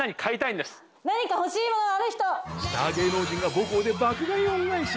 スター芸能人が母校で爆買い恩返し。